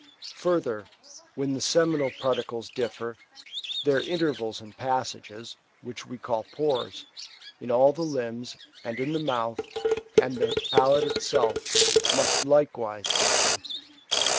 Further, when the seminal particles differ, their intervals and passages, which we call pores, in all the limbs, and in the mouth, and the palate itself, must likewise differ.